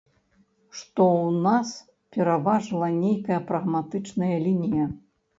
Што ў нас пераважыла нейкая прагматычная лінія.